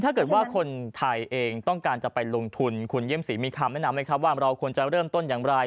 ถ้าเกิดว่าคนไทยเองต้องการจะไปลงทุนคุณเยี่ยมสีมีคำแนะนำไหมครับว่าเราควรจะเริ่มต้นอย่างไร